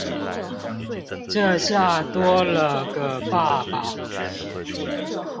這下多了個爸爸